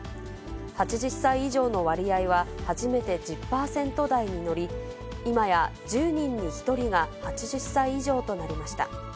８０歳以上の割合は初めて１０％台に乗り、今や１０人に１人が８０歳以上となりました。